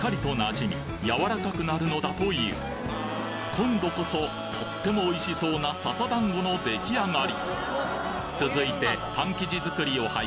今度こそとってもおいしそうな笹だんごの出来上がり！